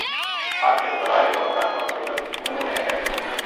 আহার-শেষে তেতলায় যখন তার শোবার ঘরে গেল, মনের কোণে একটা ক্ষীণ প্রত্যাশা ছিল।